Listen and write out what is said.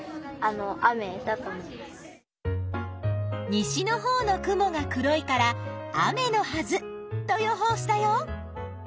西のほうの雲が黒いから雨のはずと予報したよ。